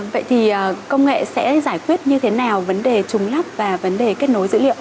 vậy thì công nghệ sẽ giải quyết như thế nào vấn đề trùng lắp và vấn đề kết nối dữ liệu